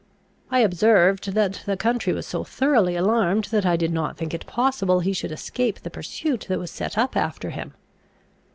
I observed, that the country was so thoroughly alarmed, that I did not think it possible he should escape the pursuit that was set up after him.